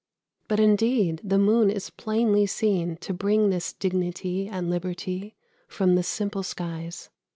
But, indeed, the moon is plainly seen to bring this dignity and liberty from the simple skies.